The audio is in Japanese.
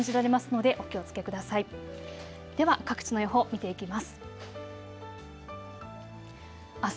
では各地の予報を見ていきます。